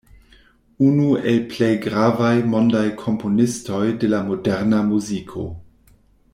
Unu el plej gravaj mondaj komponistoj de la moderna muziko.